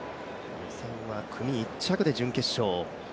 予選は組１着で準決勝。